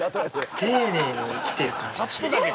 「丁寧に生きてる感じ」